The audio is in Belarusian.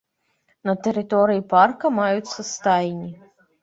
На тэрыторыі парка маюцца стайні.